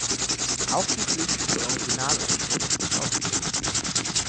Auch die Pflicht zur Original-Unterschrift ist aufgehoben.